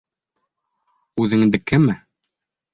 Үҙеңдекеме?